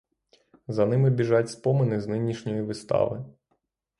За ними біжать спомини з нинішньої вистави.